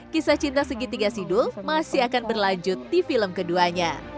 kisah cinta segitiga sidul masih akan berlanjut di film keduanya